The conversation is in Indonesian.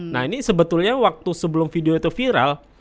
nah ini sebetulnya waktu sebelum video itu viral